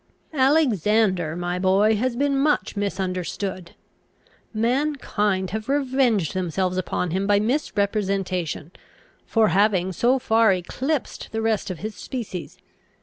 "Alexander, my boy, has been much misunderstood. Mankind have revenged themselves upon him by misrepresentation, for having so far eclipsed the rest of his species.